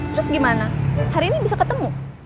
terus gimana hari ini bisa ketemu